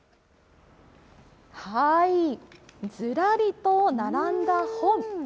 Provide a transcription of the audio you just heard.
ずらりと並んだ本。